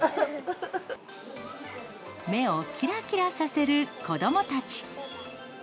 目をきらきらさせる子どもたち。